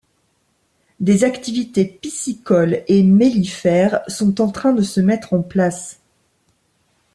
Des activités piscicole et mellifère sont en train de se mettre en place.